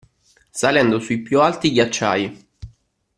Salendo su i più alti ghiacciai.